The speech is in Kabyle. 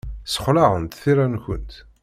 Ssexlaɛent tira-nkent.